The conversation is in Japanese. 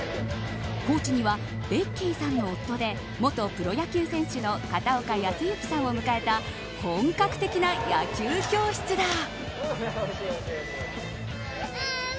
コーチにはベッキーさんの夫で元プロ野球選手の片岡保幸さんを迎えた本格的な野球教室だ。